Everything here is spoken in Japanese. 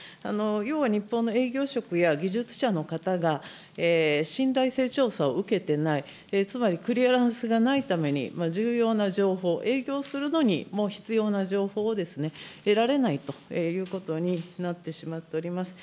要は日本の営業職や技術者の方が、信頼性調査を受けてない、つまりクリアランスがないために、重要な情報、営業するのにも必要な情報を得られないということになってしまっております。